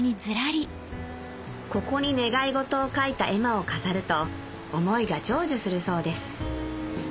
ここに願い事を書いた絵馬を飾ると思いが成就するそうです